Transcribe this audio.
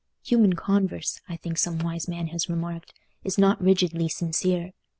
Human converse, I think some wise man has remarked, is not rigidly sincere.